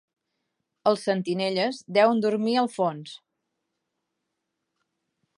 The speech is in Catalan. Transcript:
Els sentinelles deuen dormir al fons.